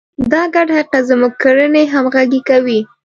دا ګډ حقیقت زموږ کړنې همغږې کوي.